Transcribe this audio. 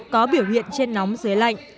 có biểu hiện trên nóng dưới lạnh